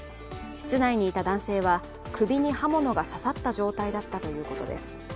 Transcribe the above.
室内にいた男性は首に刃物が刺さった状態だったということです。